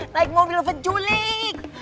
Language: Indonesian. naik mobil penculik